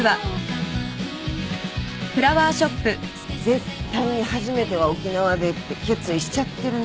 絶対に初めては沖縄でって決意しちゃってるね